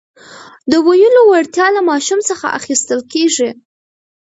د ویلو وړتیا له ماشوم څخه اخیستل کېږي.